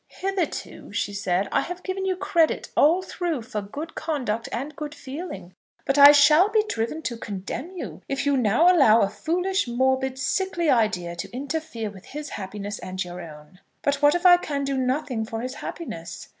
"Hitherto," she said, "I have given you credit all through for good conduct and good feeling; but I shall be driven to condemn you if you now allow a foolish, morbid, sickly idea to interfere with his happiness and your own." "But what if I can do nothing for his happiness?"